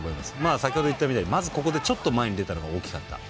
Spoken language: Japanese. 先ほど言ったみたいにここで、ちょっと前に出たのが大きかった。